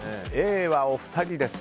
Ａはお二人です。